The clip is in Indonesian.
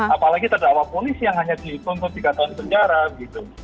apalagi terdakwa polisi yang hanya dituntut tiga tahun sejarah